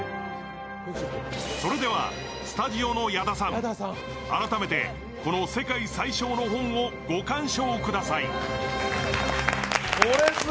それではスタジオの矢田さん、改めてこの世界最小の本をご鑑賞ください。